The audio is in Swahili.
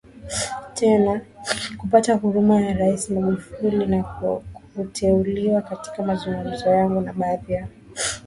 tena kupata huruma ya Rais Magufuli ya kuteuliwaKatika mazungumzo yangu na baadhi ya